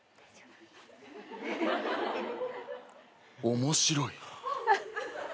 ・面白い。